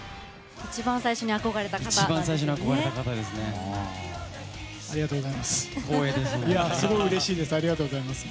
一番最初に憧れた方ですね。